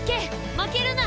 負けるな！